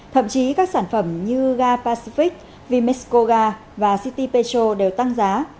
thậm chí các sản phẩm như ga pacific vimesco ga và city petro đều tăng giá